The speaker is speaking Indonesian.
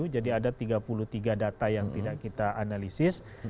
jadi ada tiga puluh tiga data yang tidak kita analisis